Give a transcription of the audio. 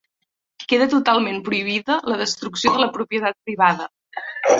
Queda totalment prohibida la destrucció de la propietat privada.